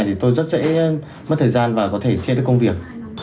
thì tôi rất dễ mất thời gian và có thể chia được công việc